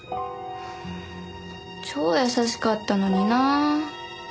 超優しかったのにな。